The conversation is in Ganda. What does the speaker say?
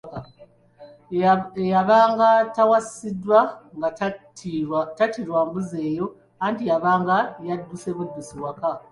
Eyabanga tawasiddwa nga tattirwa mbuzi eyo anti yabanga yadduse buddusi waka.